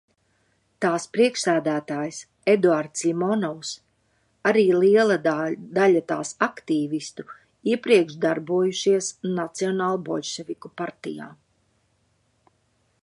Tās priekšsēdētājs Eduards Ļimonovs, arī liela daļa tās aktīvistu iepriekš darbojušies Nacionālboļševiku partijā.